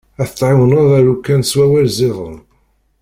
Ad t-tɛiwneḍ alukan s wawal ziden.